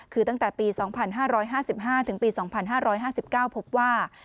คือตั้งแต่ปี๒๕๕๕ถึงปี๒๕๕๙พบว่า